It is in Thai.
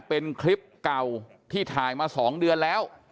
เป็นคลิปเก่าที่ถ่ายมา๒เดือนแล้ว